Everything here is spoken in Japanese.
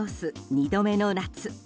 ２度目の夏。